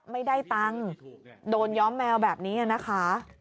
ไม่ได้ตังค์โดนย้อมแมวแบบนี้นะคะ